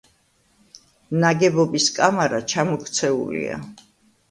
ნაგებობის კამარა ჩამოქცეულია.